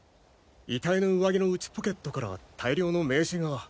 遺体の上着の内ポケットから大量の名刺が。